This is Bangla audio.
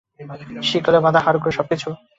শিকলে বাঁধা হাড়গোড়, সবকিছু।